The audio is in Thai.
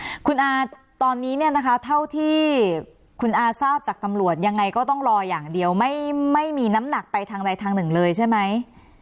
คุณอาตอนนี้เนี่ยนะคะเท่าที่คุณอาทราบจากตำรวจยังไงก็ต้องรออย่างเดียวไม่มีน้ำหนักไปทางใดทางหนึ่งเลยใช่ไหม